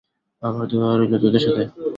আমার দোয়া রইল তোদের সাথে।